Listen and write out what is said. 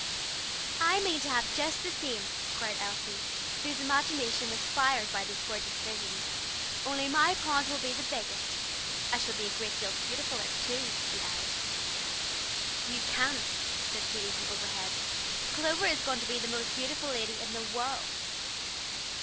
"I mean to have just the same," cried Elsie, whose imagination was fired by this gorgeous vision, "only my pond will be the biggest. I shall be a great deal beautifuller, too," she added. "You can't," said Katy from overhead. "Clover is going to be the most beautiful lady in the world."